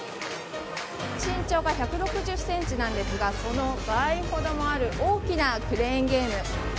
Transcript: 身長が１６０ｃｍなんですがその倍ほどもある大きなクレーンゲーム。